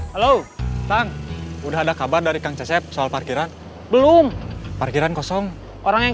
halo kang udah ada kabar dari kang cesep soal parkiran belum parkiran kosong orang yang